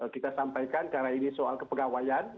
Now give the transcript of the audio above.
kita sampaikan karena ini soal kepegawaian